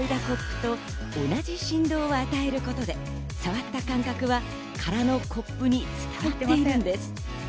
コップと同じ振動を与えることで触った感覚は空のコップに伝わっているんです。